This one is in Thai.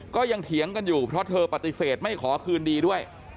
เถียงกันอยู่เพราะเธอปฏิเสธไม่ขอคืนดีด้วย